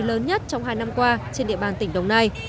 lớn nhất trong hai năm qua trên địa bàn tỉnh đồng nai